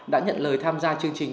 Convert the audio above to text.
đã nhận lời tham gia chương trình